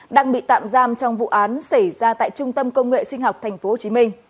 đang bị tạm giam trong vụ án xảy ra tại trung tâm công nghệ sinh học tp hcm